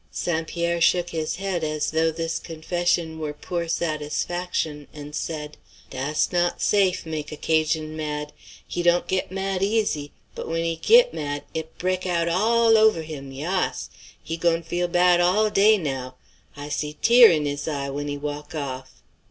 St. Pierre shook his head, as though this confession were poor satisfaction, and said, "Dass not safe make a 'Cajun mad. He dawn't git mad easy, but when he git mad it bre'k out all ove' him, yass. He goin' feel bad all day now; I see tear' in his eye when he walk off."